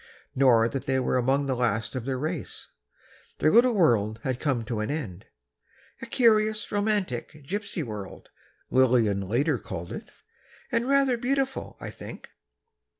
Nor that they were among the last of their race. Their little world had come to an end—"A curious, romantic, gypsy world," Lillian called it later, "and rather beautiful, I think."